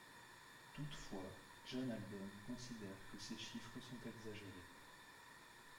Toutefois, John Haldon considère que ces chiffres sont exagérés.